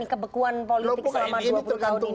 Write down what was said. kebekuan politik selama dua puluh tahun ini